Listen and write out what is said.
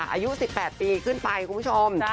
อายุ๑๘ปีขึ้นไปคุณผู้ชม